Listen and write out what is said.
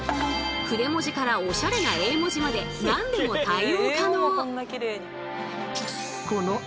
筆文字からおしゃれな英文字まで何でも対応可能！